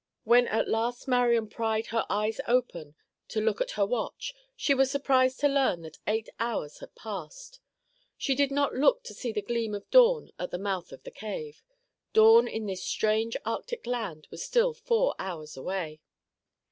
When at last Marian pried her eyes open to look at her watch, she was surprised to learn that eight hours had passed. She did not look to see the gleam of dawn at the mouth of the cave. Dawn in this strange Arctic land was still four hours away.